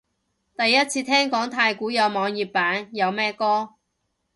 第一次聽講太鼓有網頁版，有咩歌？